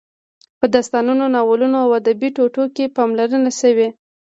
په داستانونو، ناولونو او ادبي ټوټو کې پاملرنه شوې.